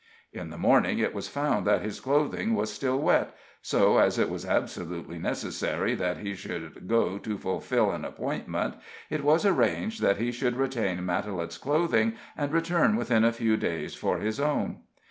In the morning it was found that his clothing was still wet, so, as it was absolutely necessary that he should go to fulfil an appointment, it was arranged that he should retain Matalette's clothing, and return within a few days for his own.